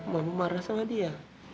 mama marah sama dia